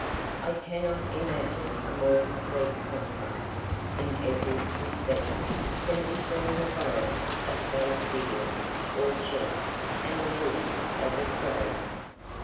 I cannot imagine a more complete contrast, in every respect, than between the forests of Valdivia or Chiloe, and the woods of Australia.